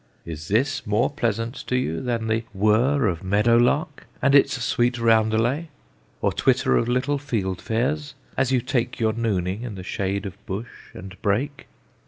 Is this more pleasant to you than the whirr Of meadow lark, and its sweet roundelay, Or twitter of little field fares, as you take Your nooning in the shade of bush and brake?